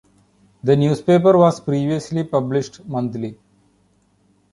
The newspaper was previously published monthly.